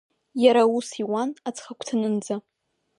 Иара аус ауан аҵхагәҭанынӡа.